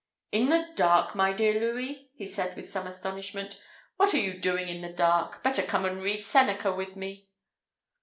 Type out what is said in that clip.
"In the dark, my dear Louis!" said he, with some astonishment; "what are you doing in the dark? Better come and read Seneca with me."